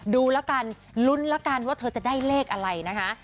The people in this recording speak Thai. ดูแล้วกันลุ้นแล้วกันว่าเธอจะได้เลขอะไรนะคะ